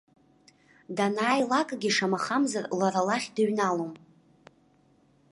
Данааилакгьы, шамахамзар, лара лахь дыҩналом.